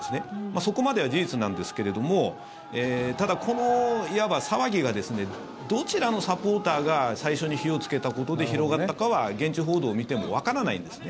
そこまでは事実なんですけれどもただこの、いわば騒ぎがどちらのサポーターが最初に火をつけたことで広がったかは現地報道を見てもわからないんですね。